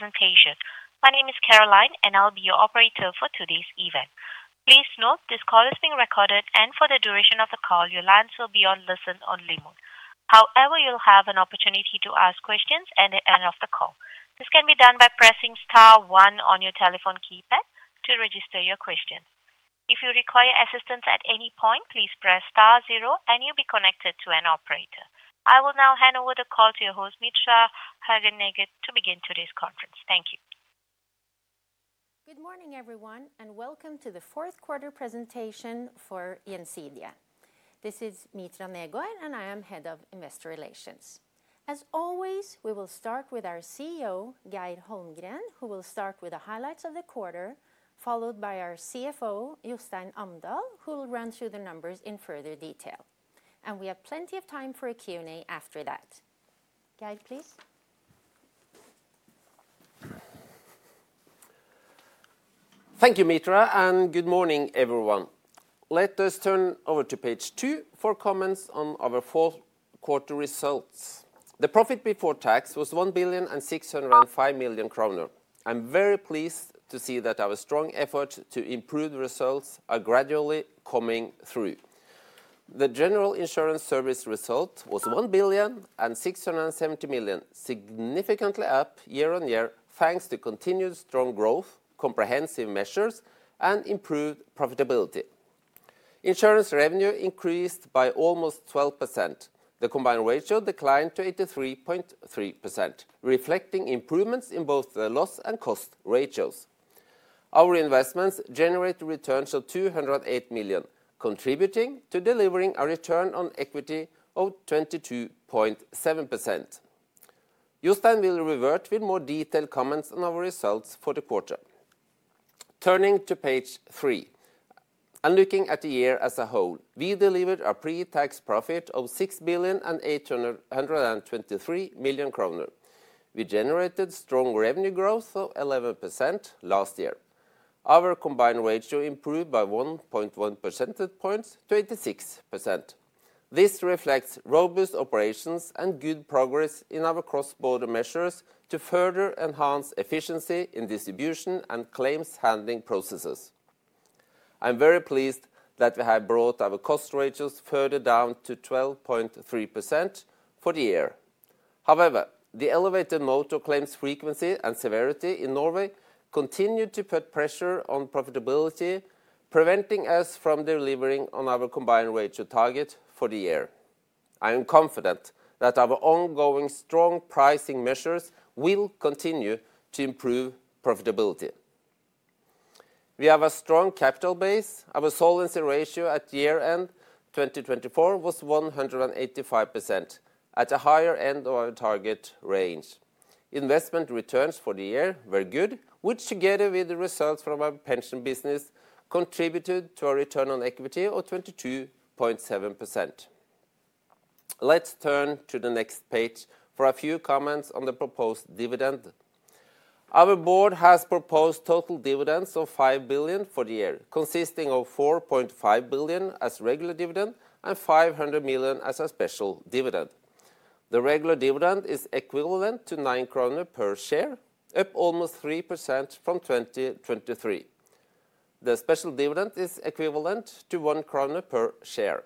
Presentation. My name is Caroline, and I'll be your operator for today's event. Please note this call is being recorded, and for the duration of the call, your lines will be on listen-only mode. However, you'll have an opportunity to ask questions at the end of the call. This can be done by pressing star one on your telephone keypad to register your question. If you require assistance at any point, please press star zero, and you'll be connected to an operator. I will now hand over the call to your host, Mitra Hagen Negård, to begin today's conference. Thank you. Good morning, everyone, and welcome to the fourth quarter presentation for Gjensidige. This is Mitra Negård, and I am head of investor relations. As always, we will start with our CEO, Geir Holmgren, who will start with the highlights of the quarter, followed by our CFO, Jostein Amdal, who will run through the numbers in further detail. And we have plenty of time for a Q&A after that. Geir, please. Thank you, Mitra, and good morning, everyone. Let us turn over to page two for comments on our fourth quarter results. The profit before tax was 1,605 million kroner. I'm very pleased to see that our strong efforts to improve results are gradually coming through. The general insurance service result was 1,670 million, significantly up year on year thanks to continued strong growth, comprehensive measures, and improved profitability. Insurance revenue increased by almost 12%. The combined ratio declined to 83.3%, reflecting improvements in both the loss and cost ratios. Our investments generated returns of 208 million, contributing to delivering a return on equity of 22.7%. Jostein will revert with more detailed comments on our results for the quarter. Turning to page three, and looking at the year as a whole, we delivered a pre-tax profit of 6,823 million kroner. We generated strong revenue growth of 11% last year. Our combined ratio improved by 1.1 percentage points, 26%. This reflects robust operations and good progress in our cross-border measures to further enhance efficiency in distribution and claims handling processes. I'm very pleased that we have brought our cost ratios further down to 12.3% for the year. However, the elevated motor claims frequency and severity in Norway continued to put pressure on profitability, preventing us from delivering on our combined ratio target for the year. I am confident that our ongoing strong pricing measures will continue to improve profitability. We have a strong capital base. Our solvency ratio at year-end 2024 was 185%, at a higher end of our target range. Investment returns for the year were good, which, together with the results from our pension business, contributed to a return on equity of 22.7%. Let's turn to the next page for a few comments on the proposed dividend. Our board has proposed total dividends of 5 billion for the year, consisting of 4.5 billion as regular dividend and 500 million as a special dividend. The regular dividend is equivalent to 9 kroner per share, up almost 3% from 2023. The special dividend is equivalent to 1 kroner per share.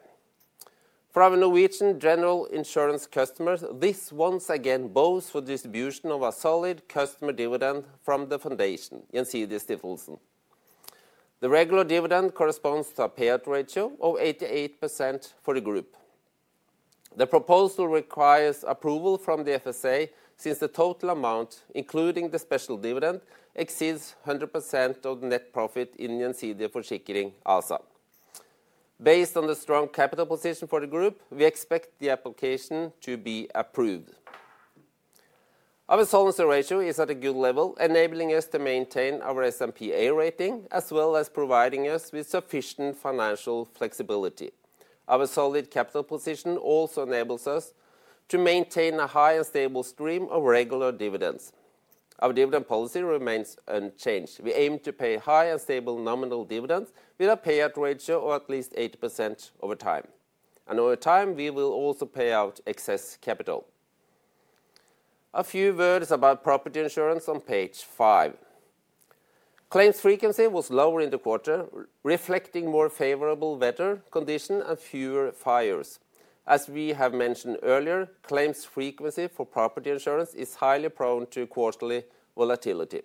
From a Norwegian general insurance customer, this once again allows for distribution of a solid customer dividend from the foundation, Gjensidigestiftelsen. The regular dividend corresponds to a payout ratio of 88% for the group. The proposal requires approval from the FSA since the total amount, including the special dividend, exceeds 100% of the net profit in Gjensidige Forsikring ASA. Based on the strong capital position for the group, we expect the application to be approved. Our solvency ratio is at a good level, enabling us to maintain our S&P A rating, as well as providing us with sufficient financial flexibility. Our solid capital position also enables us to maintain a high and stable stream of regular dividends. Our dividend policy remains unchanged. We aim to pay high and stable nominal dividends with a payout ratio of at least 80% over time, and over time, we will also pay out excess capital. A few words about property insurance on page five. Claims frequency was lower in the quarter, reflecting more favorable weather conditions and fewer fires. As we have mentioned earlier, claims frequency for property insurance is highly prone to quarterly volatility.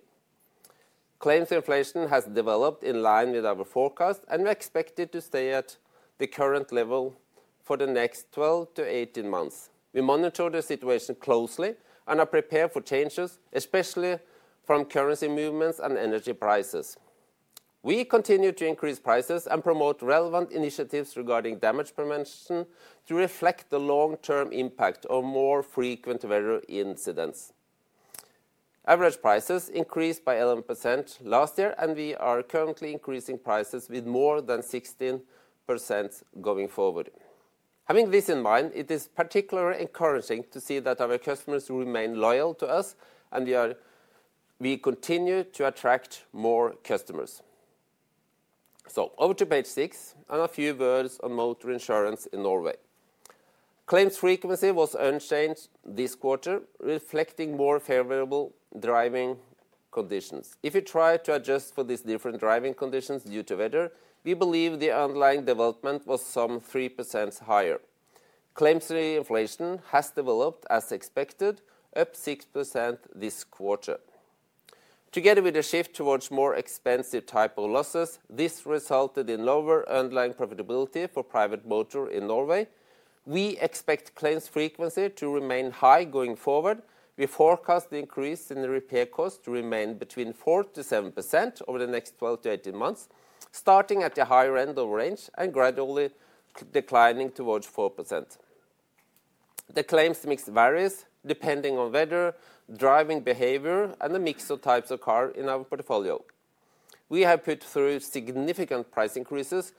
Claims inflation has developed in line with our forecast, and we expect it to stay at the current level for the next 12-18 months. We monitor the situation closely and are prepared for changes, especially from currency movements and energy prices. We continue to increase prices and promote relevant initiatives regarding damage prevention to reflect the long-term impact of more frequent weather incidents. Average prices increased by 11% last year, and we are currently increasing prices with more than 16% going forward. Having this in mind, it is particularly encouraging to see that our customers remain loyal to us, and we continue to attract more customers. So, over to page six and a few words on motor insurance in Norway. Claims frequency was unchanged this quarter, reflecting more favorable driving conditions. If you try to adjust for these different driving conditions due to weather, we believe the underlying development was some 3% higher. Claims inflation has developed, as expected, up 6% this quarter. Together with the shift towards more expensive type of losses, this resulted in lower underlying profitability for private motor in Norway. We expect claims frequency to remain high going forward. We forecast the increase in the repair cost to remain between 4%-7% over the next 12-18 months, starting at the higher end of range and gradually declining towards 4%. The claims mix varies depending on weather, driving behavior, and the mix of types of car in our portfolio. We have put through significant price increases,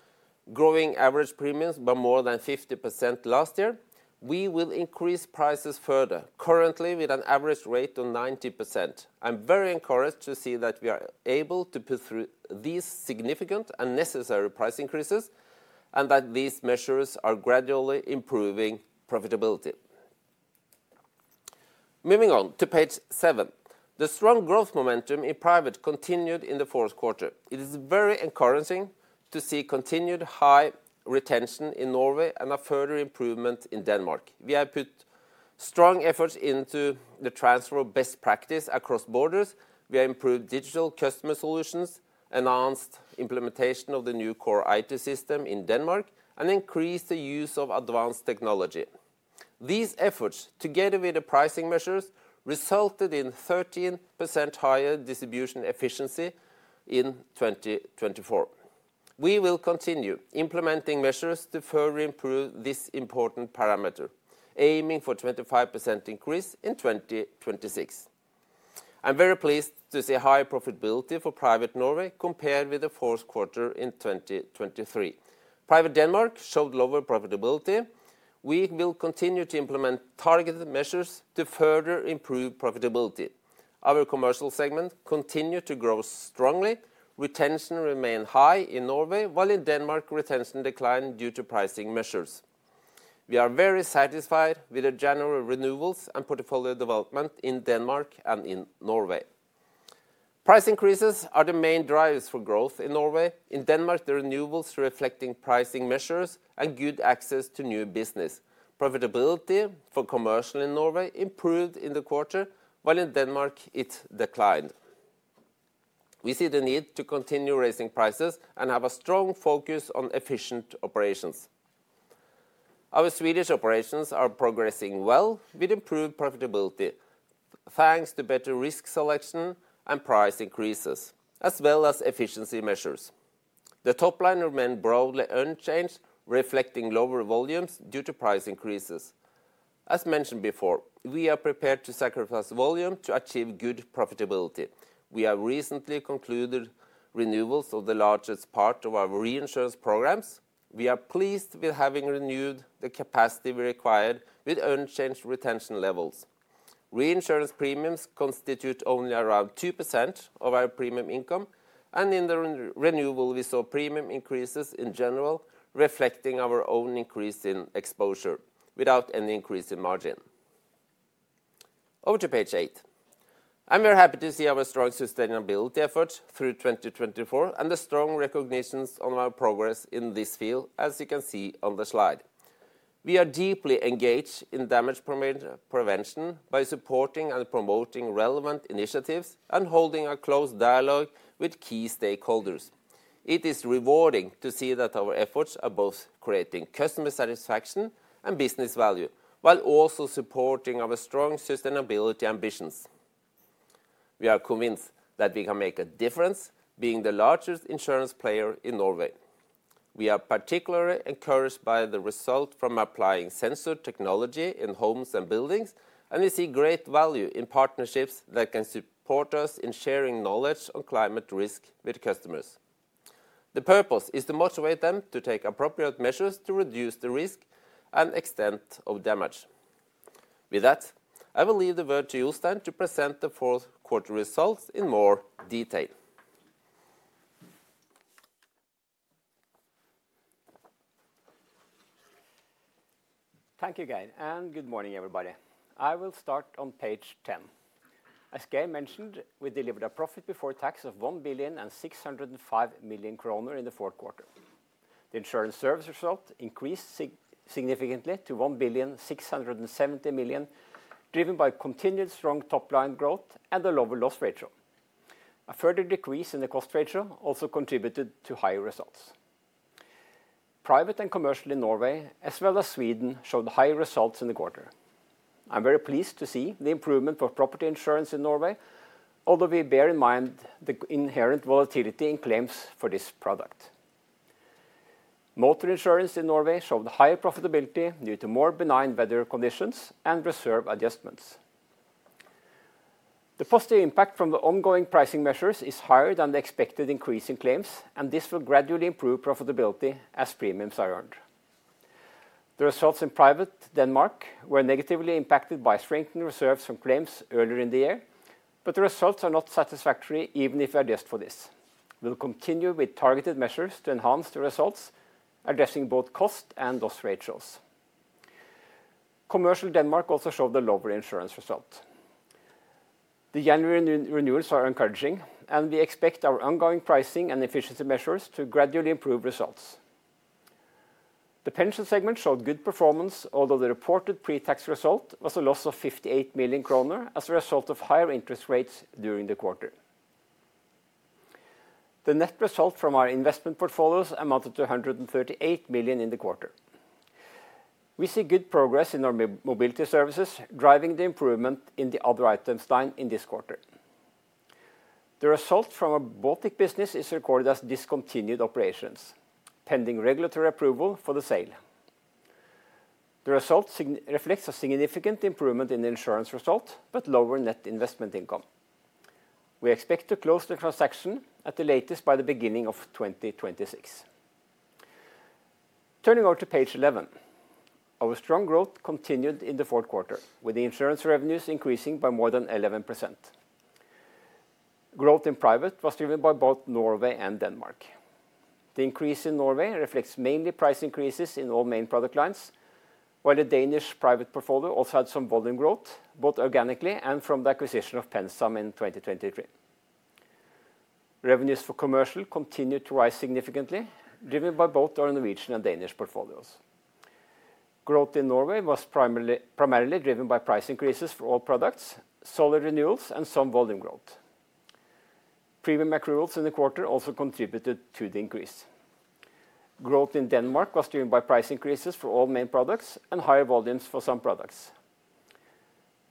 growing average premiums by more than 50% last year. We will increase prices further, currently with an average rate of 90%. I'm very encouraged to see that we are able to put through these significant and necessary price increases and that these measures are gradually improving profitability. Moving on to page seven. The strong growth momentum in private continued in the fourth quarter. It is very encouraging to see continued high retention in Norway and a further improvement in Denmark. We have put strong efforts into the transfer of best practice across borders. We have improved digital customer solutions, announced implementation of the new core IT system in Denmark, and increased the use of advanced technology. These efforts, together with the pricing measures, resulted in 13% higher distribution efficiency in 2024. We will continue implementing measures to further improve this important parameter, aiming for a 25% increase in 2026. I'm very pleased to see high profitability for private Norway compared with the fourth quarter in 2023. Private Denmark showed lower profitability. We will continue to implement targeted measures to further improve profitability. Our commercial segment continued to grow strongly. Retention remained high in Norway, while in Denmark, retention declined due to pricing measures. We are very satisfied with the general renewals and portfolio development in Denmark and in Norway. Price increases are the main drivers for growth in Norway. In Denmark, the renewals reflect pricing measures and good access to new business. Profitability for commercial in Norway improved in the quarter, while in Denmark, it declined. We see the need to continue raising prices and have a strong focus on efficient operations. Our Swedish operations are progressing well with improved profitability, thanks to better risk selection and price increases, as well as efficiency measures. The top line remained broadly unchanged, reflecting lower volumes due to price increases. As mentioned before, we are prepared to sacrifice volume to achieve good profitability. We have recently concluded renewals of the largest part of our reinsurance programs. We are pleased with having renewed the capacity we required with unchanged retention levels. Reinsurance premiums constitute only around 2% of our premium income, and in the renewal, we saw premium increases in general, reflecting our own increase in exposure without any increase in margin. Over to page eight, and we're happy to see our strong sustainability efforts through 2024 and the strong recognition of our progress in this field, as you can see on the slide. We are deeply engaged in damage prevention by supporting and promoting relevant initiatives and holding a close dialogue with key stakeholders. It is rewarding to see that our efforts are both creating customer satisfaction and business value, while also supporting our strong sustainability ambitions. We are convinced that we can make a difference, being the largest insurance player in Norway. We are particularly encouraged by the result from applying sensor technology in homes and buildings, and we see great value in partnerships that can support us in sharing knowledge on climate risk with customers. The purpose is to motivate them to take appropriate measures to reduce the risk and extent of damage. With that, I will leave the word to Jostein to present the fourth quarter results in more detail. Thank you, Geir, and good morning, everybody. I will start on page 10. As Geir mentioned, we delivered a profit before tax of 1,605 million kroner in the fourth quarter. The insurance service result increased significantly to 1,670 million, driven by continued strong top line growth and a lower loss ratio. A further decrease in the cost ratio also contributed to higher results. Private and commercial in Norway, as well as Sweden, showed high results in the quarter. I'm very pleased to see the improvement for property insurance in Norway, although we bear in mind the inherent volatility in claims for this product. Motor insurance in Norway showed higher profitability due to more benign weather conditions and reserve adjustments. The positive impact from the ongoing pricing measures is higher than the expected increase in claims, and this will gradually improve profitability as premiums are earned. The results in private Denmark were negatively impacted by strengthened reserves from claims earlier in the year, but the results are not satisfactory even if we adjust for this. We'll continue with targeted measures to enhance the results, addressing both cost and loss ratios. Commercial Denmark also showed a lower insurance result. The January renewals are encouraging, and we expect our ongoing pricing and efficiency measures to gradually improve results. The pension segment showed good performance, although the reported pre-tax result was a loss of 58 million kroner as a result of higher interest rates during the quarter. The net result from our investment portfolios amounted to 138 million in the quarter. We see good progress in our mobility services, driving the improvement in the other items line in this quarter. The result from our Baltic business is recorded as discontinued operations, pending regulatory approval for the sale. The result reflects a significant improvement in the insurance result, but lower net investment income. We expect to close the transaction at the latest by the beginning of 2026. Turning over to page 11. Our strong growth continued in the fourth quarter, with the insurance revenues increasing by more than 11%. Growth in private was driven by both Norway and Denmark. The increase in Norway reflects mainly price increases in all main product lines, while the Danish private portfolio also had some volume growth, both organically and from the acquisition of PenSam in 2023. Revenues for commercial continued to rise significantly, driven by both our Norwegian and Danish portfolios. Growth in Norway was primarily driven by price increases for all products, solid renewals, and some volume growth. Premium accruals in the quarter also contributed to the increase. Growth in Denmark was driven by price increases for all main products and higher volumes for some products.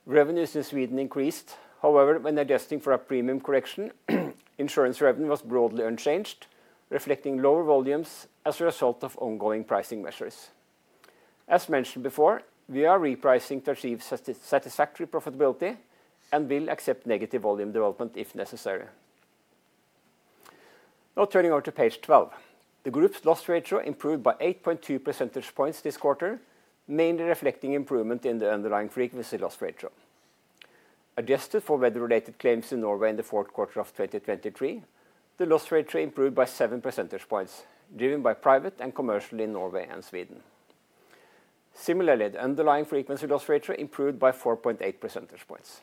Revenues in Sweden increased, however, when adjusting for a premium correction. Insurance revenue was broadly unchanged, reflecting lower volumes as a result of ongoing pricing measures. As mentioned before, we are repricing to achieve satisfactory profitability and will accept negative volume development if necessary. Now turning over to page 12. The group's loss ratio improved by 8.2 percentage points this quarter, mainly reflecting improvement in the underlying frequency loss ratio. Adjusted for weather-related claims in Norway in the fourth quarter of 2023, the loss ratio improved by 7 percentage points, driven by private and commercial in Norway and Sweden. Similarly, the underlying frequency loss ratio improved by 4.8 percentage points.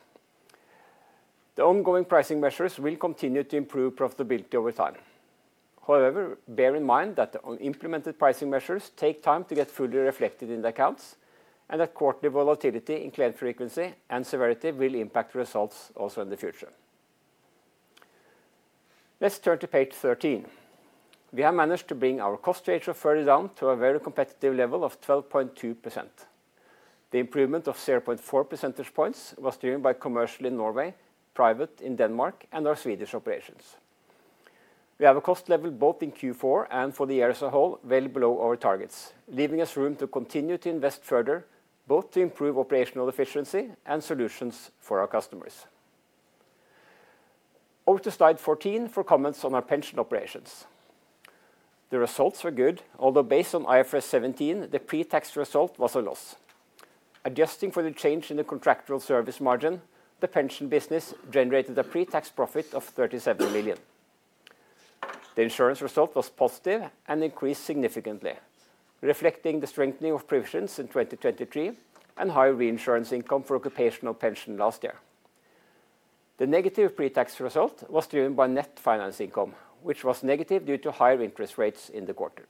The ongoing pricing measures will continue to improve profitability over time. However, bear in mind that the implemented pricing measures take time to get fully reflected in the accounts and that quarterly volatility in claim frequency and severity will impact results also in the future. Let's turn to page 13. We have managed to bring our cost ratio further down to a very competitive level of 12.2%. The improvement of 0.4 percentage points was driven by commercial in Norway, private in Denmark, and our Swedish operations. We have a cost level both in Q4 and for the year as a whole well below our targets, leaving us room to continue to invest further, both to improve operational efficiency and solutions for our customers. Over to slide 14 for comments on our pension operations. The results were good, although based on IFRS 17, the pre-tax result was a loss. Adjusting for the change in the contractual service margin, the pension business generated a pre-tax profit of 37 million. The insurance result was positive and increased significantly, reflecting the strengthening of provisions in 2023 and higher reinsurance income for occupational pension last year. The negative pre-tax result was driven by net finance income, which was negative due to higher interest rates in the quarter.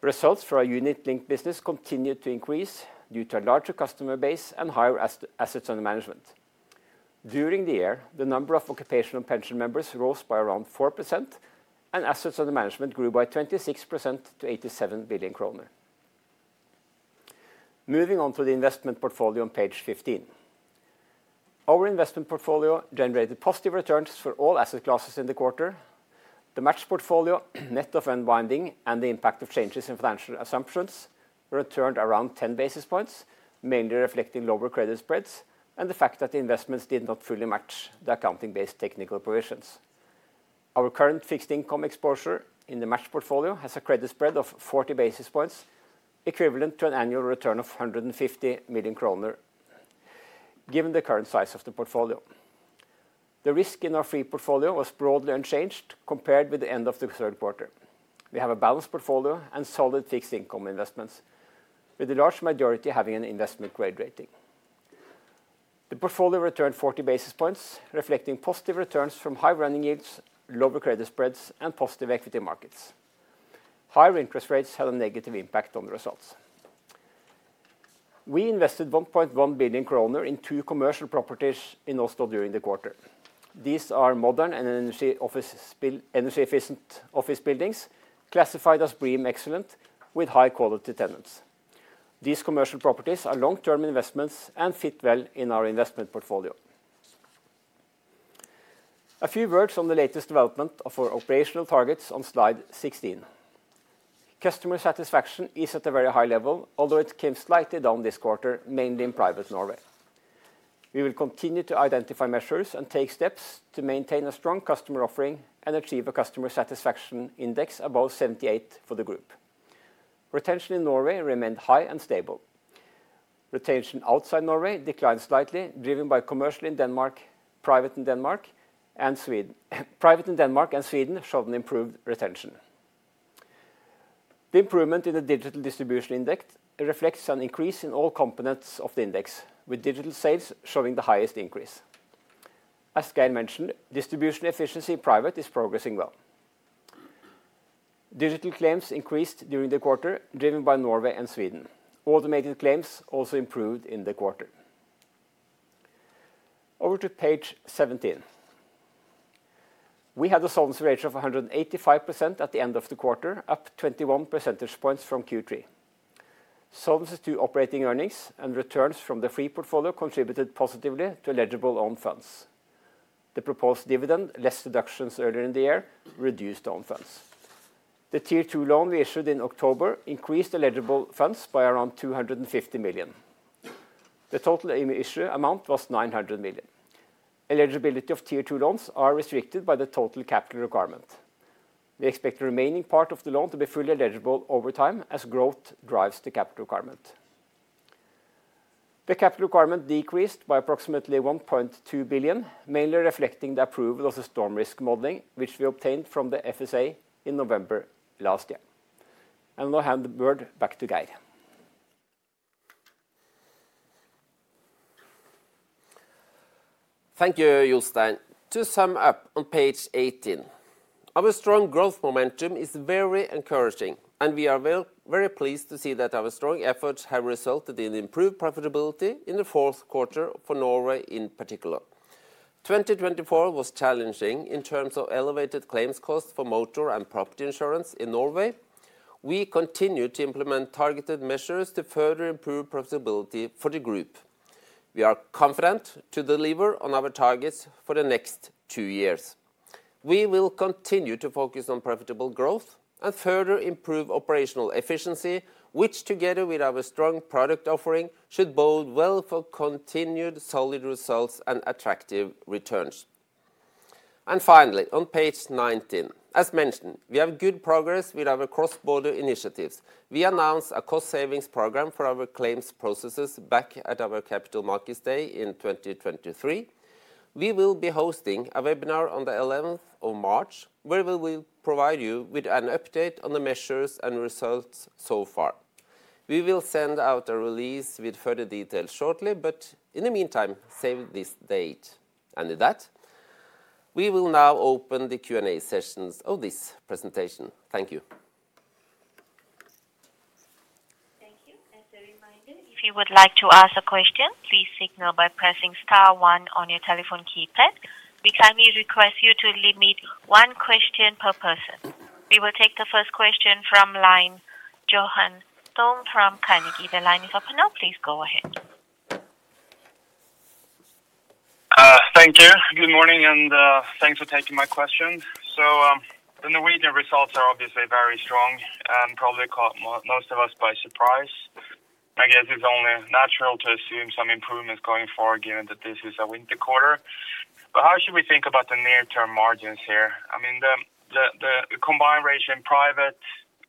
Results for our unit-linked business continued to increase due to a larger customer base and higher assets under management. During the year, the number of occupational pension members rose by around 4%, and assets under management grew by 26% to 87 billion kroner. Moving on to the investment portfolio on page 15. Our investment portfolio generated positive returns for all asset classes in the quarter. The matched portfolio, net of unwinding and the impact of changes in financial assumptions returned around 10 basis points, mainly reflecting lower credit spreads and the fact that the investments did not fully match the accounting-based technical provisions. Our current fixed income exposure in the matched portfolio has a credit spread of 40 basis points, equivalent to an annual return of 150 million kroner given the current size of the portfolio. The risk in our free portfolio was broadly unchanged compared with the end of the third quarter. We have a balanced portfolio and solid fixed income investments, with the large majority having an investment-grade rating. The portfolio returned 40 basis points, reflecting positive returns from high running yields, lower credit spreads, and positive equity markets. Higher interest rates had a negative impact on the results. We invested 1.1 billion kroner in two commercial properties in Oslo during the quarter. These are modern and energy-efficient office buildings classified as BREEAM Excellent, with high-quality tenants. These commercial properties are long-term investments and fit well in our investment portfolio. A few words on the latest development for operational targets on slide 16. Customer satisfaction is at a very high level, although it came slightly down this quarter, mainly in Private Norway. We will continue to identify measures and take steps to maintain a strong customer offering and achieve a customer satisfaction index above 78 for the group. Retention in Norway remained high and stable. Retention outside Norway declined slightly, driven by Commercial in Denmark, Private in Denmark, and Sweden showed an improved retention. The improvement in the digital distribution index reflects an increase in all components of the index, with digital sales showing the highest increase. As Geir mentioned, distribution efficiency in Private is progressing well. Digital claims increased during the quarter, driven by Norway and Sweden. Automated claims also improved in the quarter. Over to page 17. We had a Solvency Ratio of 185% at the end of the quarter, up 21 percentage points from Q3. Solvency II operating earnings and returns from the Free Portfolio contributed positively to eligible own funds. The proposed dividend, less deductions earlier in the year, reduced own funds. The Tier 2 loan we issued in October increased eligible funds by around 250 million. The total issue amount was 900 million. Eligibility of Tier 2 loans is restricted by the total capital requirement. We expect the remaining part of the loan to be fully eligible over time as growth drives the capital requirement. The capital requirement decreased by approximately 1.2 billion, mainly reflecting the approval of the storm risk modeling, which we obtained from the FSA in November last year. I'll hand the word back to Geir. Thank you, Jostein. To sum up on page 18, our strong growth momentum is very encouraging, and we are very pleased to see that our strong efforts have resulted in improved profitability in the fourth quarter for Norway in particular. 2024 was challenging in terms of elevated claims costs for motor and property insurance in Norway. We continue to implement targeted measures to further improve profitability for the group. We are confident to deliver on our targets for the next two years. We will continue to focus on profitable growth and further improve operational efficiency, which together with our strong product offering should bode well for continued solid results and attractive returns. Finally, on page 19, as mentioned, we have good progress with our cross-border initiatives. We announced a cost savings program for our claims processes back at our capital markets day in 2023. We will be hosting a webinar on the 11th of March, where we will provide you with an update on the measures and results so far. We will send out a release with further details shortly, but in the meantime, save this date, and with that, we will now open the Q&A sessions of this presentation. Thank you. Thank you. As a reminder, if you would like to ask a question, please signal by pressing star one on your telephone keypad. We kindly request you to limit one question per person. We will take the first question from line Johan Ström from Carnegie. The line is open now. Please go ahead. Thank you. Good morning, and thanks for taking my question. So the Norwegian results are obviously very strong and probably caught most of us by surprise. I guess it's only natural to assume some improvements going forward, given that this is a winter quarter. But how should we think about the near-term margins here? I mean, the combined ratio in private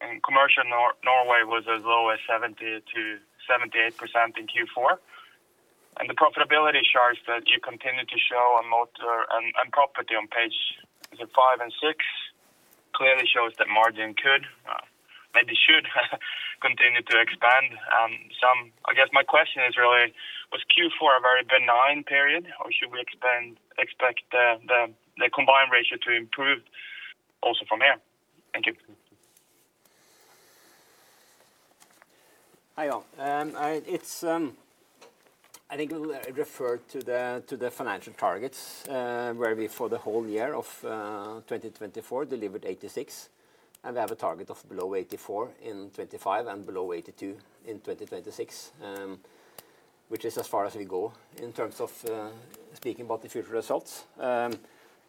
and commercial Norway was as low as 70%-78% in Q4. And the profitability charts that you continue to show on motor and property on page, is it five and six? Clearly shows that margin could, maybe should continue to expand. And so, I guess my question is really, was Q4 a very benign period, or should we expect the combined ratio to improve also from here? Thank you. Hi, all. It's, I think we'll refer to the financial targets where we for the whole year of 2024 delivered 86%, and we have a target of below 84% in 2025 and below 82% in 2026, which is as far as we go in terms of speaking about the future results.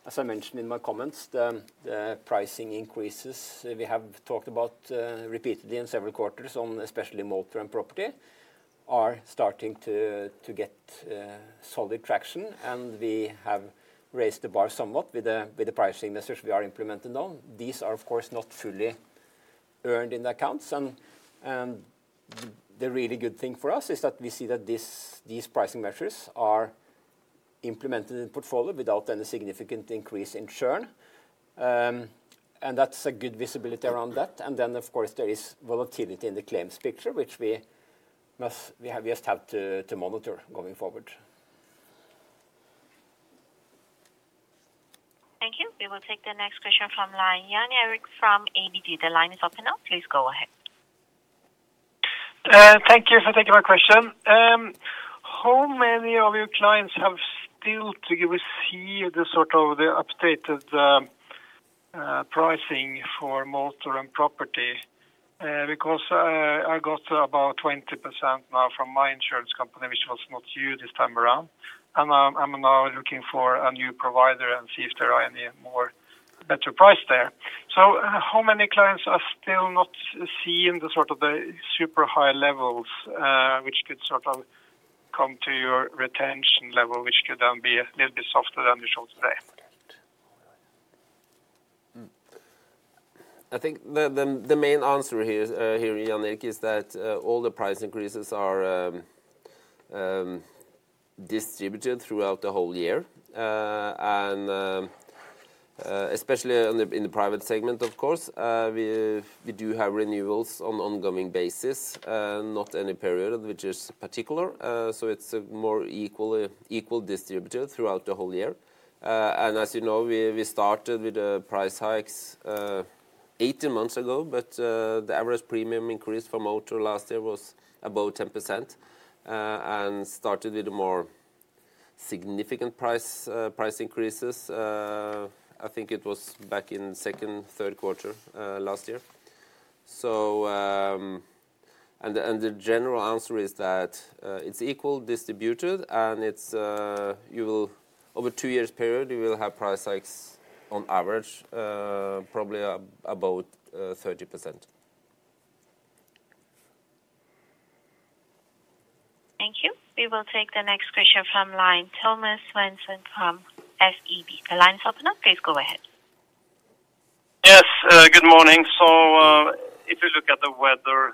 As I mentioned in my comments, the pricing increases we have talked about repeatedly in several quarters, especially motor and property, are starting to get solid traction, and we have raised the bar somewhat with the pricing measures we are implementing now. These are, of course, not fully earned in the accounts, and the really good thing for us is that we see that these pricing measures are implemented in the portfolio without any significant increase in churn. And that's a good visibility around that. And then, of course, there is volatility in the claims picture, which we just have to monitor going forward. Thank you. We will take the next question from line Jan Erik from ABG. The line is open now. Please go ahead. Thank you for taking my question. How many of your clients have still, do you receive the sort of updated pricing for motor and property? Because I got about 20% now from my insurance company, which was not you this time around, and I'm now looking for a new provider and see if there are any more better prices there. So how many clients are still not seeing the sort of super high levels, which could sort of come to your retention level, which could then be a little bit softer than usual today? I think the main answer here, Jan Erik, is that all the price increases are distributed throughout the whole year, and especially in the private segment, of course. We do have renewals on an ongoing basis, not any period, which is particular. So it's more equally distributed throughout the whole year, and as you know, we started with price hikes 18 months ago, but the average premium increase for motor last year was above 10% and started with more significant price increases. I think it was back in second, third quarter last year, and the general answer is that it's equally distributed, and over a two-year period, you will have price hikes on average, probably about 30%. Thank you. We will take the next question from the line of Thomas Svendsen from SEB. The line is open now. Please go ahead. Yes, good morning. So if you look at the weather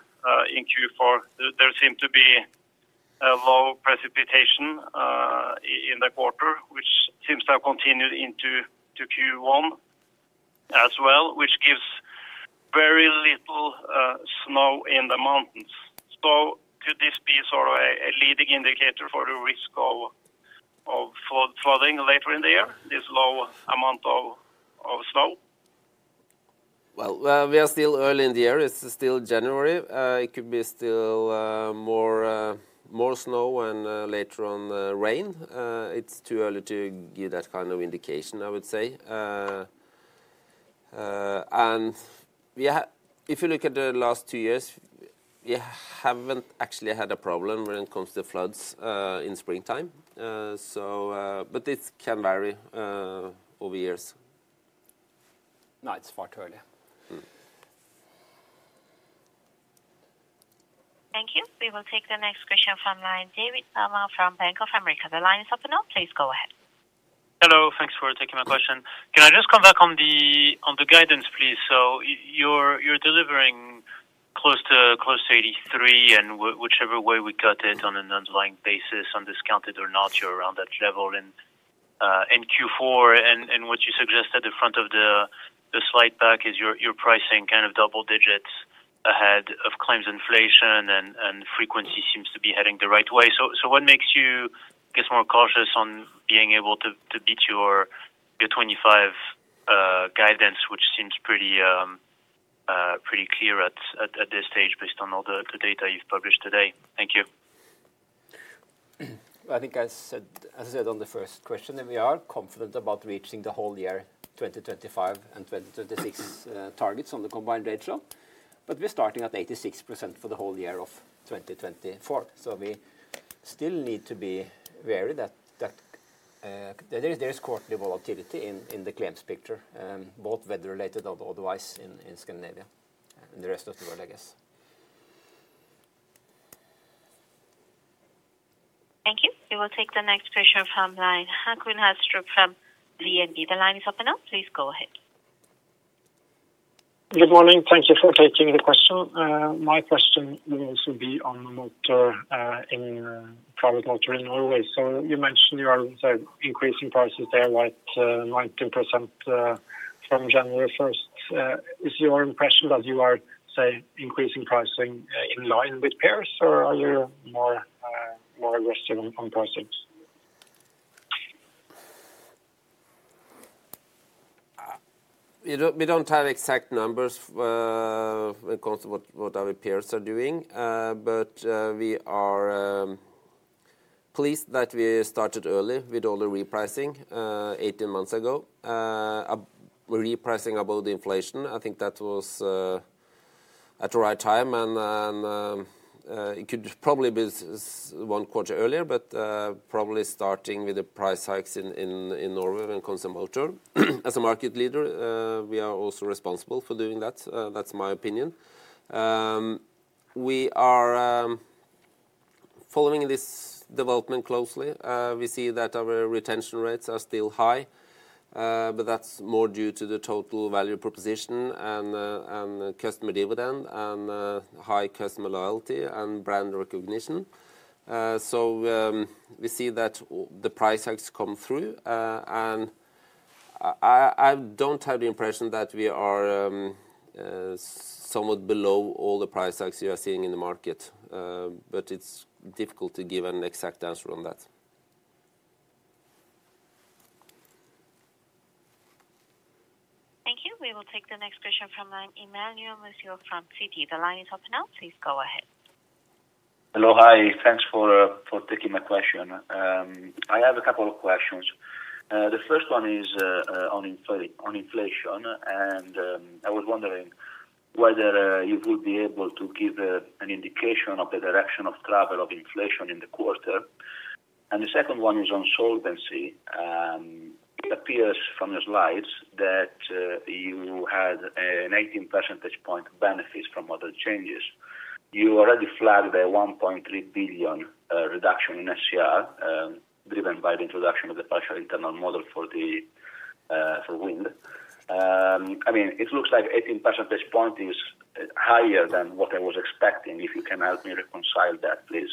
in Q4, there seemed to be low precipitation in the quarter, which seems to have continued into Q1 as well, which gives very little snow in the mountains. So could this be sort of a leading indicator for the risk of flooding later in the year, this low amount of snow? We are still early in the year. It's still January. It could be still more snow and later on rain. It's too early to give that kind of indication, I would say. If you look at the last two years, we haven't actually had a problem when it comes to floods in springtime, but it can vary over years. No, it's far too early. Thank you. We will take the next question from line David Taranto from Bank of America. The line is open now. Please go ahead. Hello. Thanks for taking my question. Can I just come back on the guidance, please? So you're delivering close to 83, and whichever way we got it on an underlying basis, undiscounted or not, you're around that level in Q4. And what you suggested at the front of the slide deck is your pricing kind of double digits ahead of claims inflation, and frequency seems to be heading the right way. So what makes you, I guess, more cautious on being able to beat your 25 guidance, which seems pretty clear at this stage based on all the data you've published today? Thank you. I think, as I said on the first question, that we are confident about reaching the whole year 2025 and 2026 targets on the combined ratio, but we're starting at 86% for the whole year of 2024, so we still need to be wary that there is quarterly volatility in the claims picture, both weather-related otherwise in Scandinavia and the rest of the world, I guess. Thank you. We will take the next question from line Håkon Astrup from DNB. The line is open now. Please go ahead. Good morning. Thank you for taking the question. My question will also be on the motor in private, motor in Norway. So you mentioned you are increasing prices there by 19% from January 1st. Is your impression that you are, say, increasing pricing in line with peers, or are you more aggressive on pricing? We don't have exact numbers when it comes to what our peers are doing, but we are pleased that we started early with all the repricing 18 months ago, repricing above the inflation. I think that was at the right time, and it could probably be one quarter earlier, but probably starting with the price hikes in Norway when it comes to motor. As a market leader, we are also responsible for doing that. That's my opinion. We are following this development closely. We see that our retention rates are still high, but that's more due to the total value proposition and customer dividend and high customer loyalty and brand recognition. So we see that the price hikes come through, and I don't have the impression that we are somewhat below all the price hikes you are seeing in the market, but it's difficult to give an exact answer on that. Thank you. We will take the next question from line Emmanuel Mounier from Citi. The line is open now. Please go ahead. Hello, hi. Thanks for taking my question. I have a couple of questions. The first one is on inflation, and I was wondering whether you would be able to give an indication of the direction of travel of inflation in the quarter, and the second one is on solvency. It appears from your slides that you had an 18 percentage point benefit from other changes. You already flagged a 1.3 billion reduction in SER driven by the introduction of the partial internal model for wind. I mean, it looks like 18 percentage points is higher than what I was expecting. If you can help me reconcile that, please.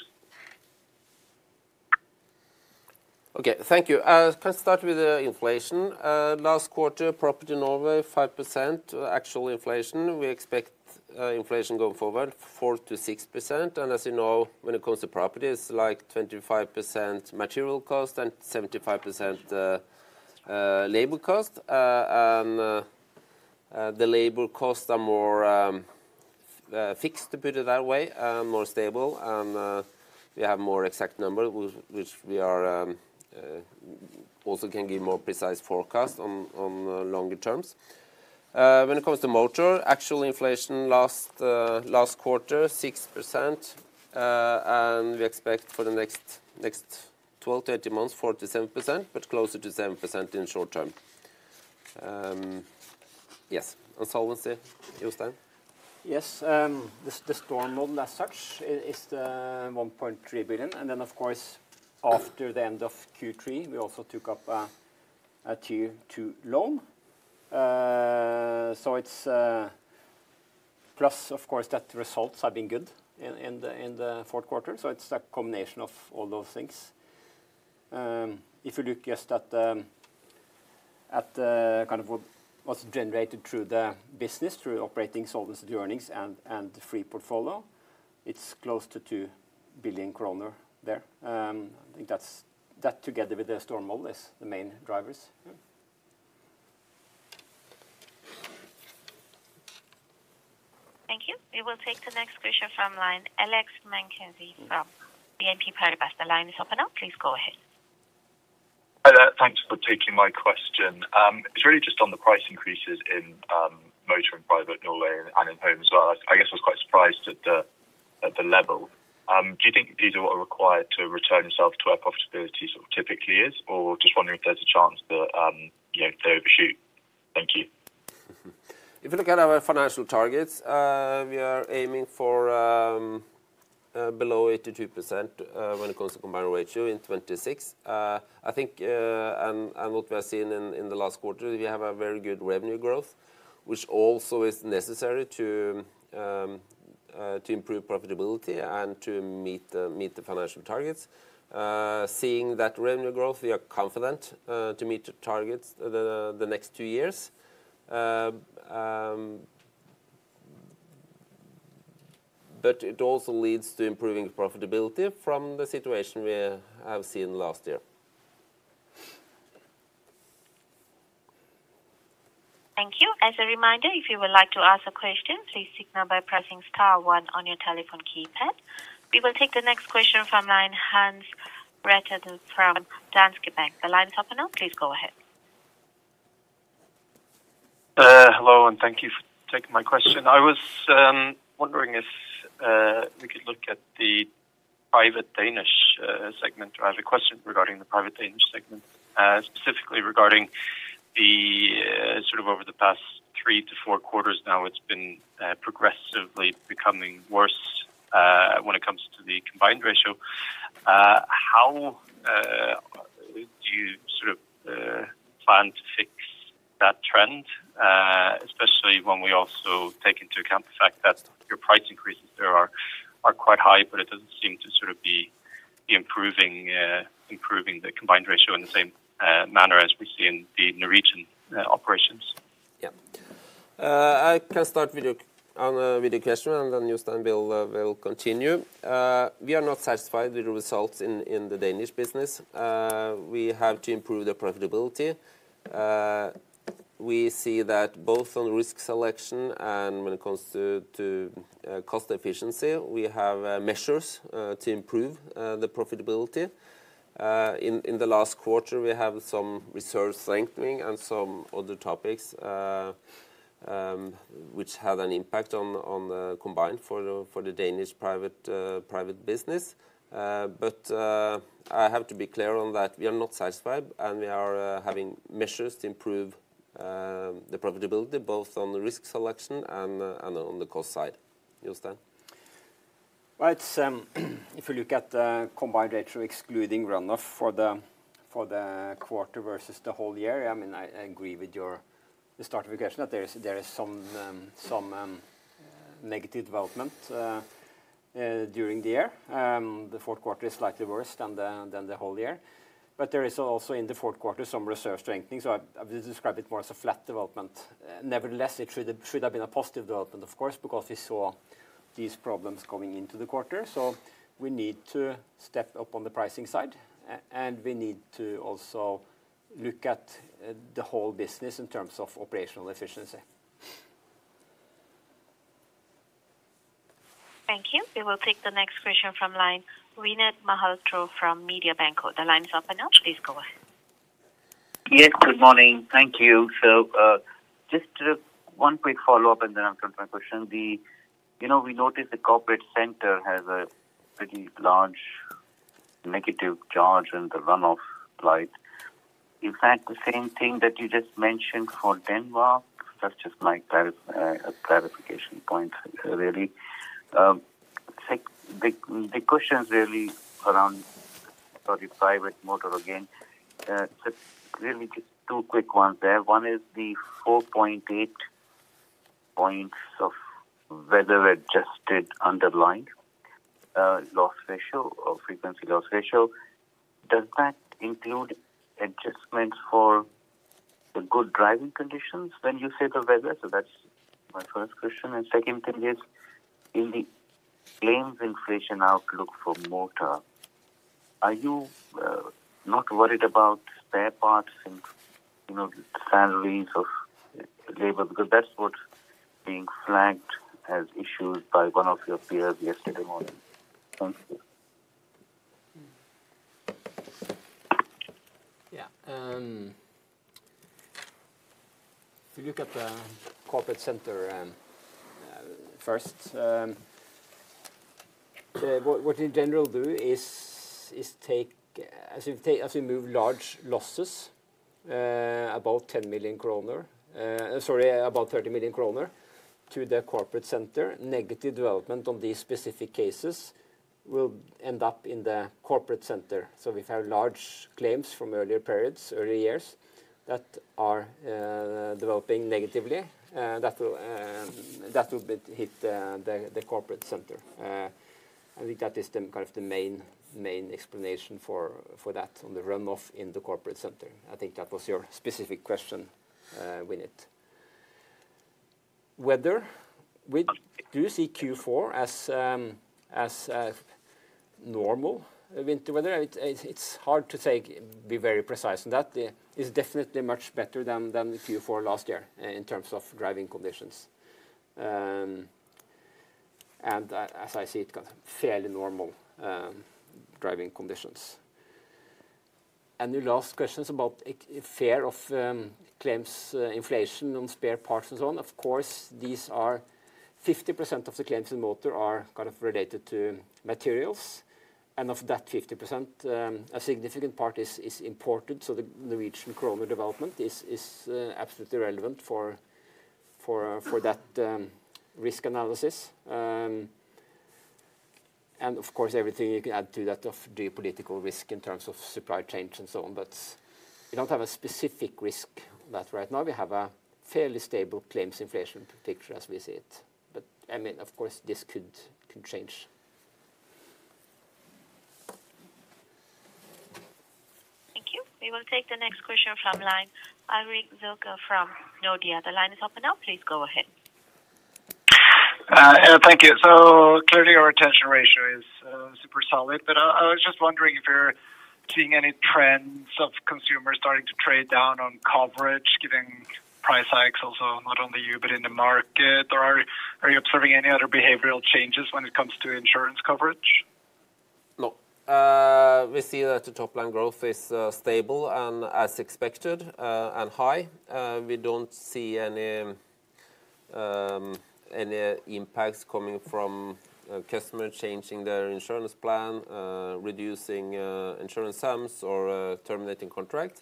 Okay, thank you. Can I start with the inflation? Last quarter, property in Norway, 5% actual inflation. We expect inflation going forward, 4%-6%. And as you know, when it comes to property, it's like 25% material cost and 75% labor cost. And the labor costs are more fixed, to put it that way, and more stable. And we have more exact numbers, which we also can give more precise forecasts on longer terms. When it comes to motor, actual inflation last quarter, 6%, and we expect for the next 12 to 18 months, 4%-7%, but closer to 7% in the short term. Yes, on solvency, you stand? Yes. The storm model as such is 1.3 billion. Then, of course, after the end of Q3, we also took up a Tier 2 loan. So it's plus, of course, that results have been good in the fourth quarter. So it's a combination of all those things. If you look just at kind of what's generated through the business, through operating solvency earnings and Free Portfolio, it's close to 2 billion kroner there. I think that together with the storm model is the main drivers. Thank you. We will take the next question from line Alex McKenzie from BNP Paribas. The line is open now. Please go ahead. Thanks for taking my question. It's really just on the price increases in motor and private Norway and in home as well. I guess I was quite surprised at the level. Do you think these are what are required to return yourself to where profitability sort of typically is, or just wondering if there's a chance that they overshoot? Thank you. If you look at our financial targets, we are aiming for below 82% when it comes to combined ratio in 2026. I think, and what we have seen in the last quarter, we have a very good revenue growth, which also is necessary to improve profitability and to meet the financial targets. Seeing that revenue growth, we are confident to meet targets the next two years. But it also leads to improving profitability from the situation we have seen last year. Thank you. As a reminder, if you would like to ask a question, please sign up by pressing star one on your telephone keypad. We will take the next question from line Hans Rettedal from Danske Bank. The line is open now. Please go ahead. Hello, and thank you for taking my question. I was wondering if we could look at the private Danish segment. I have a question regarding the private Danish segment, specifically regarding the sort of over the past three-to-four quarters now, it's been progressively becoming worse when it comes to the combined ratio. How do you sort of plan to fix that trend, especially when we also take into account the fact that your price increases there are quite high, but it doesn't seem to sort of be improving the combined ratio in the same manner as we see in the Norwegian operations? Yeah. I can start with your question, and then Jostein, we'll continue. We are not satisfied with the results in the Danish business. We have to improve the profitability. We see that both on risk selection and when it comes to cost efficiency. We have measures to improve the profitability. In the last quarter, we have some reserve strengthening and some other topics which had an impact on the combined ratio for the Danish private business. But I have to be clear on that we are not satisfied, and we are having measures to improve the profitability both on the risk selection and on the cost side. Jostein. Right. If you look at the combined ratio excluding runoff for the quarter versus the whole year, I mean, I agree with the start of the question that there is some negative development during the year. The fourth quarter is slightly worse than the whole year. But there is also in the fourth quarter some reserve strengthening. So I would describe it more as a flat development. Nevertheless, it should have been a positive development, of course, because we saw these problems coming into the quarter. So we need to step up on the pricing side, and we need to also look at the whole business in terms of operational efficiency. Thank you. We will take the next question from line Rene Fløystøl from Mediobanca. The line is open now. Please go ahead. Yes, good morning. Thank you. So just one quick follow-up, and then I'll come to my question. We noticed the corporate center has a pretty large negative charge in the runoff slide. In fact, the same thing that you just mentioned for Denmark, that's just my clarification point, really. The question is really around private motor again. Really just two quick ones there. One is the 4.8 points of weather-adjusted underlying loss ratio or frequency loss ratio. Does that include adjustments for the good driving conditions when you say the weather? So that's my first question. And second thing is, in the claims inflation outlook for motor, are you not worried about spare parts and salaries of labor? Because that's what's being flagged as issues by one of your peers yesterday morning. Thank you. Yeah. If you look at the corporate center first, what we in general do is take, as we move large losses, about 10 million kroner, sorry, about 30 million kroner, to the corporate center. Negative development on these specific cases will end up in the corporate center. So if you have large claims from earlier periods, earlier years that are developing negatively, that will hit the corporate center. I think that is kind of the main explanation for that on the run-off in the corporate center. I think that was your specific question, Rene. Weather? We do see Q4 as normal winter weather. It's hard to be very precise on that. It's definitely much better than Q4 last year in terms of driving conditions. And as I see it, kind of fairly normal driving conditions. And your last question is about fear of claims inflation on spare parts and so on. Of course, these are 50% of the claims in motor are kind of related to materials. And of that 50%, a significant part is imported. So the Norwegian kroner development is absolutely relevant for that risk analysis. And of course, everything you can add to that of geopolitical risk in terms of supply chain and so on. But we don't have a specific risk on that right now. We have a fairly stable claims inflation picture as we see it. But I mean, of course, this could change. Thank you. We will take the next question from line Ulrik Zürcher from Nordea. The line is open now. Please go ahead. Thank you. Clearly, our retention ratio is super solid, but I was just wondering if you're seeing any trends of consumers starting to trade down on coverage, given price hikes also not only you, but in the market, or are you observing any other behavioral changes when it comes to insurance coverage? No. We see that the top line growth is stable and as expected and high. We don't see any impacts coming from customers changing their insurance plan, reducing insurance terms, or terminating contracts.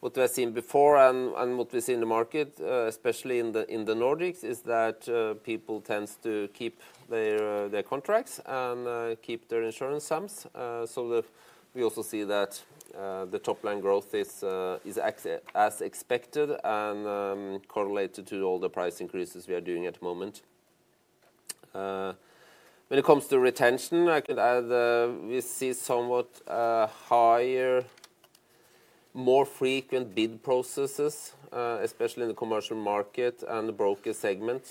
What we've seen before and what we see in the market, especially in the Nordics, is that people tend to keep their contracts and keep their insurance terms. So we also see that the top line growth is as expected and correlated to all the price increases we are doing at the moment. When it comes to retention, I can add we see somewhat higher, more frequent bid processes, especially in the commercial market and the broker segment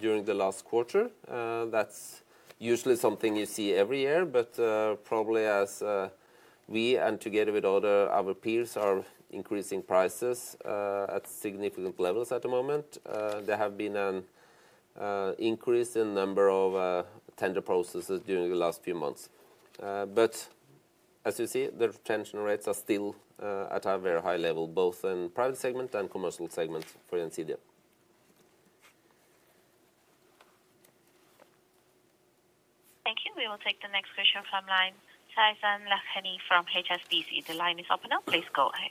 during the last quarter. That's usually something you see every year, but probably as we and together with other peers are increasing prices at significant levels at the moment, there have been an increase in the number of tender processes during the last few months, but as you see, the retention rates are still at a very high level, both in private segment and commercial segment for Nordea. Thank you. We will take the next question from line Faizan Lakhani from HSBC. The line is open now. Please go ahead.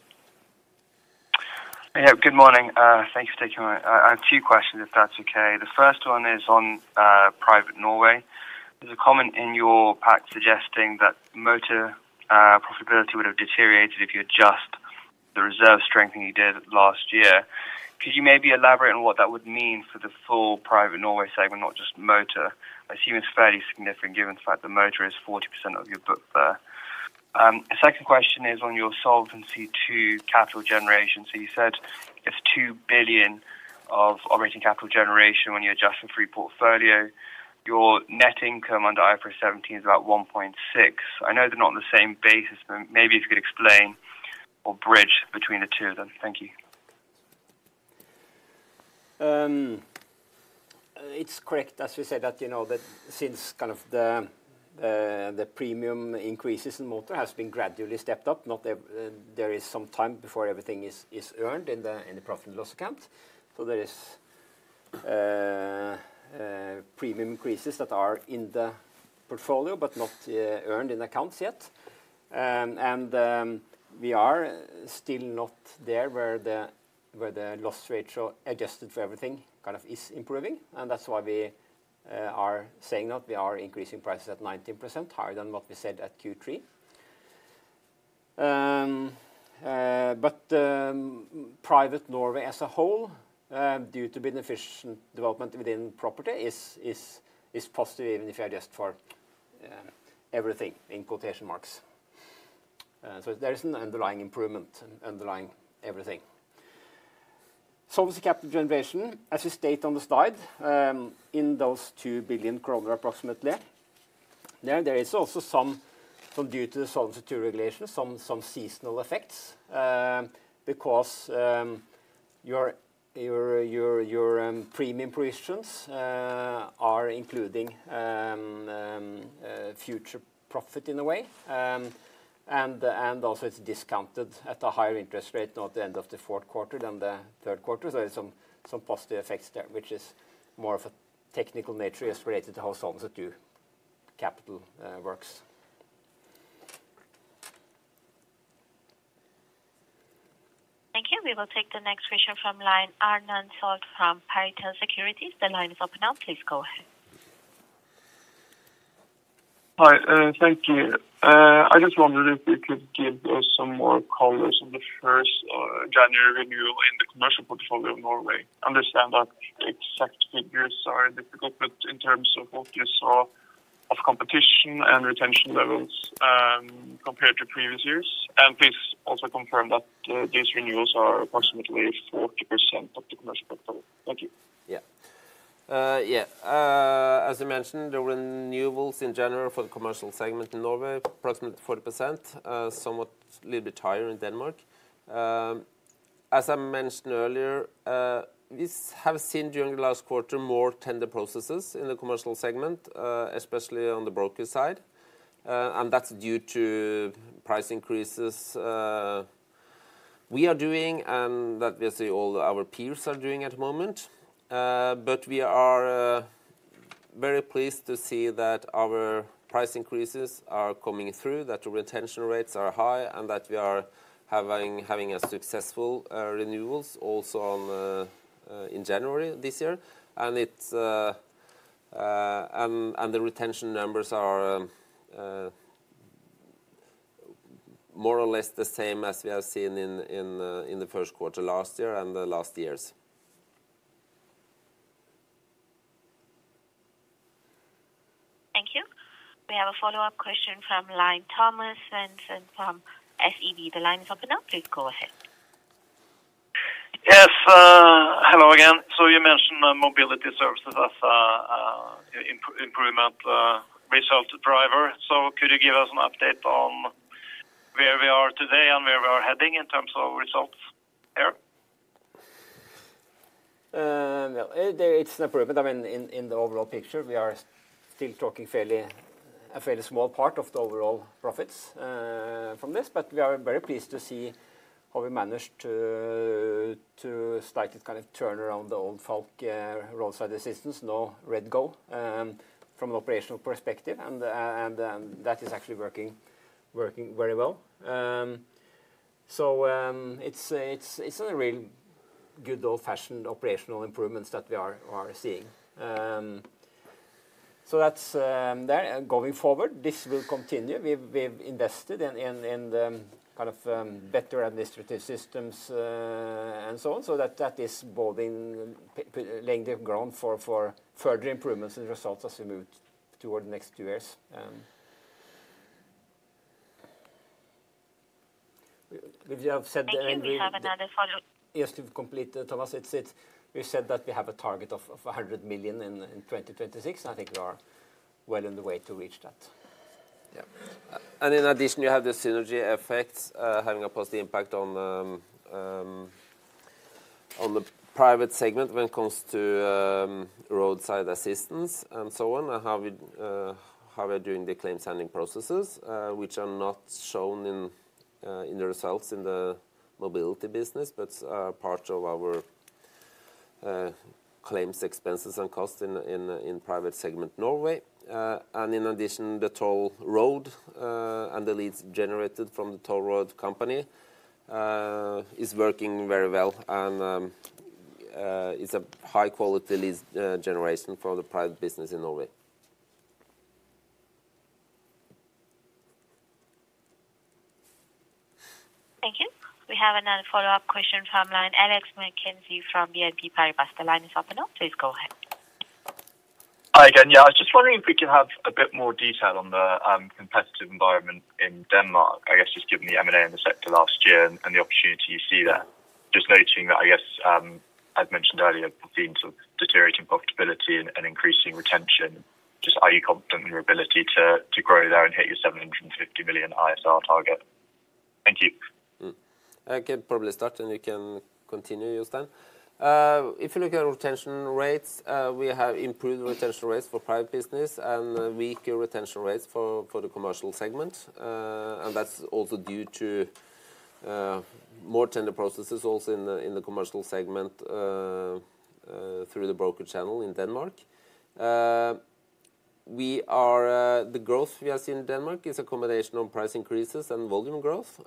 Hey, good morning. Thank you for taking my call. I have two questions, if that's okay. The first one is on Private Norway. There's a comment in your pack suggesting that motor profitability would have deteriorated if you adjust the reserve strengthening you did last year. Could you maybe elaborate on what that would mean for the full Private Norway segment, not just motor? I assume it's fairly significant given the fact that motor is 40% of your book there. The second question is on your solvency and capital generation. So you said it's 2 billion of operating capital generation when you adjust for Free Portfolio. Your net income under IFRS 17 is about 1.6. I know they're not on the same basis, but maybe if you could explain or bridge between the two of them. Thank you. It's correct, as we said, that since kind of the premium increases in motor has been gradually stepped up, there is some time before everything is earned in the profit and loss account. So there are premium increases that are in the portfolio but not earned in accounts yet. And we are still not there where the loss ratio adjusted for everything kind of is improving. And that's why we are saying that we are increasing prices at 19%, higher than what we said at Q3. But private Norway as a whole, due to beneficial development within property, is positive even if you adjust for everything in quotation marks. So there is an underlying improvement, underlying everything. Solvency capital generation, as we state on the slide, in those 2 billion kroner approximately. There is also, due to the Solvency II regulation, some seasonal effects because your premium provisions are including future profit in a way. And also it's discounted at a higher interest rate at the end of the fourth quarter than the third quarter. So there are some positive effects there, which is more of a technical nature as related to how Solvency II capital works. Thank you. We will take the next question from line Herman Zahl of Pareto Securities from Pareto Securities. The line is open now. Please go ahead. Hi. Thank you. I just wondered if you could give us some more colors on the first January renewal in the commercial portfolio of Norway? I understand that exact figures are difficult, but in terms of what you saw of competition and retention levels compared to previous years, and please also confirm that these renewals are approximately 40% of the commercial portfolio. Thank you. Yeah. Yeah. As I mentioned, the renewables in general for the commercial segment in Norway, approximately 40%, somewhat a little bit higher in Denmark. As I mentioned earlier, we have seen during the last quarter more tender processes in the commercial segment, especially on the broker side. And that's due to price increases we are doing and that we see all our peers are doing at the moment. But we are very pleased to see that our price increases are coming through, that the retention rates are high, and that we are having successful renewals also in January this year. And the retention numbers are more or less the same as we have seen in the first quarter last year and the last years. Thank you. We have a follow-up question from line Thomas Svendsen from SEB. The line is open now. Please go ahead. Yes. Hello again. So you mentioned mobility services as an improvement result driver. So could you give us an update on where we are today and where we are heading in terms of results here? It's an improvement. I mean, in the overall picture, we are still talking a fairly small part of the overall profits from this, but we are very pleased to see how we managed to slightly kind of turn around the old Falck roadside assistance, now RedGo from an operational perspective, and that is actually working very well, so it's a real good old-fashioned operational improvements that we are seeing, so that's there. Going forward, this will continue. We've invested in kind of better administrative systems and so on, so that is both in length of ground for further improvements and results as we move toward the next two years. We have said that. Do you have another follow-up? Yes, to complete Thomas. We said that we have a target of 100 million in 2026. I think we are well on the way to reach that. Yeah. And in addition, you have the synergy effects having a positive impact on the private segment when it comes to roadside assistance and so on, and how we are doing the claims handling processes, which are not shown in the results in the mobility business, but part of our claims expenses and costs in private segment Norway. And in addition, the toll road and the leads generated from the toll road company is working very well. And it's a high-quality lead generation for the private business in Norway. Thank you. We have another follow-up question from line Alex McKenzie from BNP Paribas. The line is open now. Please go ahead. Hi again. Yeah. I was just wondering if we could have a bit more detail on the competitive environment in Denmark, I guess, just given the M&A in the sector last year and the opportunity you see there. Just noting that, I guess, as mentioned earlier, we've seen sort of deteriorating profitability and increasing retention. Just are you confident in your ability to grow there and hit your 750 million ISR target? Thank you. I can probably start, and you can continue, Jostein. If you look at retention rates, we have improved retention rates for private business and weaker retention rates for the commercial segment, and that's also due to more tender processes also in the commercial segment through the broker channel in Denmark. The growth we have seen in Denmark is a combination of price increases and volume growth,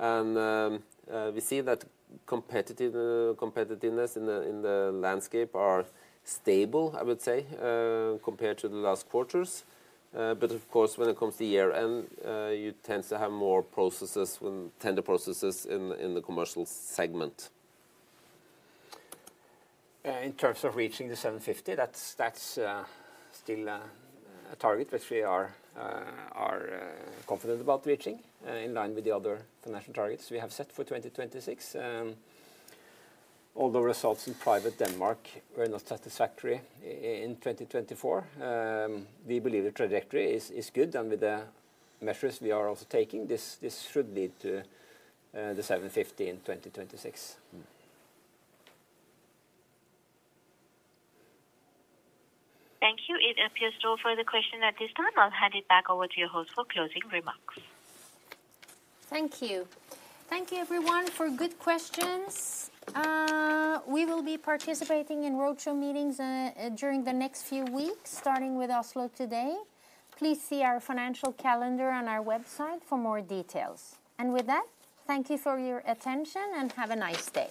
and we see that competitiveness in the landscape are stable, I would say, compared to the last quarters, but of course, when it comes to year-end, you tend to have more processes, tender processes in the commercial segment. In terms of reaching the 750, that's still a target which we are confident about reaching in line with the other financial targets we have set for 2026. Although results in Private Denmark were not satisfactory in 2024, we believe the trajectory is good, and with the measures we are also taking, this should lead to the 750 in 2026. Thank you. It appears no further questions at this time. I'll hand it back over to your host for closing remarks. Thank you. Thank you, everyone, for good questions. We will be participating in roadshow meetings during the next few weeks, starting with Oslo today. Please see our financial calendar on our website for more details. And with that, thank you for your attention and have a nice day.